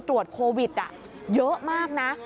ตรวจโควิดเยอะมากนะ